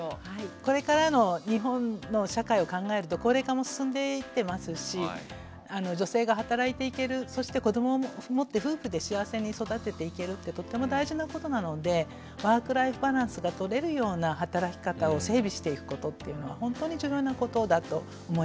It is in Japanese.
これからの日本の社会を考えると高齢化も進んでいってますし女性が働いていけるそして子どもを持って夫婦で幸せに育てていけるってとっても大事なことなのでワークライフバランスがとれるような働き方を整備していくことっていうのはほんとに重要なことだと思います。